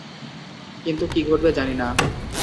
কিন্তু কি ঘটবে জানি না।